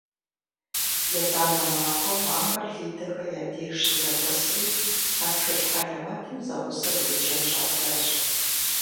ЕтӀанэ махуэм ахэр Лидэхэ я деж щызэхуэсри а тхылъ хьэлэмэтым зэгъусэу еджэн щӀадзащ.